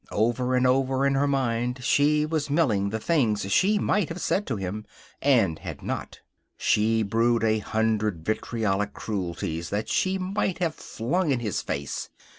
Over and over in her mind she was milling the things she might have said to him, and had not. She brewed a hundred vitriolic cruelties that she might have flung in his face.